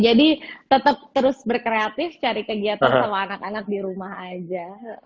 jadi tetap terus berkreatif cari kegiatan sama anak anak di rumah aja